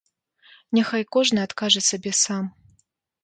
Няхай кожны адкажа сабе сам.